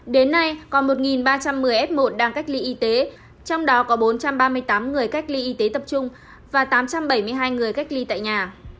đến nay còn một ba trăm một mươi f một đang cách ly y tế trong đó có bốn trăm ba mươi tám người cách ly y tế tập trung và tám trăm bảy mươi hai người cách ly tại nhà